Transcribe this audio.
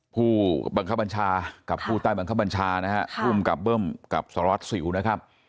ผู้บังคับบัญชากับผู้ใต้บังคับบัญชานะฮะภูมิกับเบิ้มกับสารวัตรสิวนะครับ